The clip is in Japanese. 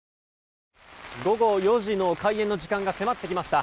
午後４時の開演の時間が迫ってきました。